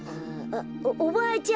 「おばあちゃん